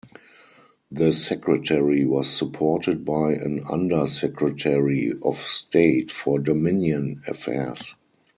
The Secretary was supported by an Under-Secretary of State for Dominion Affairs.